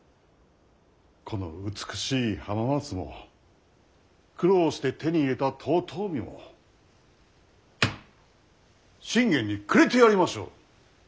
この美しい浜松も苦労して手に入れた遠江も信玄にくれてやりましょう！